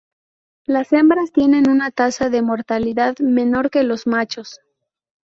Las hembras tienen una tasa de mortalidad menor que los machos.